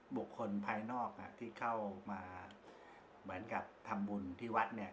บุคคลภายนอกที่เข้ามาเหมือนกับทำบุญที่วัดเนี่ย